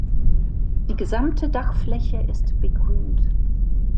Die gesamte Dachfläche ist begrünt.